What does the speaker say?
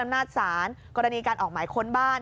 นาจศาลกรณีการออกหมายค้นบ้าน